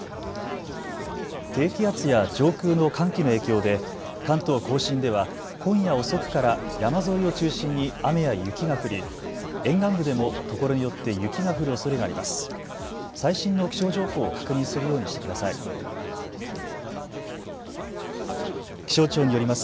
低気圧や上空の寒気の影響で関東甲信では今夜遅くから山沿いを中心に雨や雪が降り沿岸部でもところによって雪が降るおそれがあります。